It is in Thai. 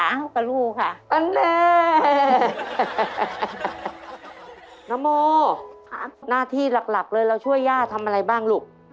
น้ำมอร์หน้าที่หลักเลยแล้วช่วยย่าทำอะไรบ้างลูก